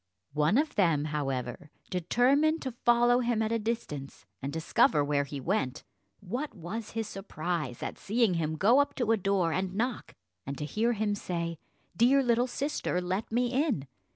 One of them, however, determined to follow him at a distance, and discover where he went. What was his surprise at seeing him go up to a door and knock, and to hear him say, "Dear little sister, let me in."